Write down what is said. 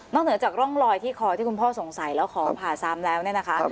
เหนือจากร่องรอยที่คอที่คุณพ่อสงสัยแล้วขอผ่าซ้ำแล้วเนี่ยนะคะ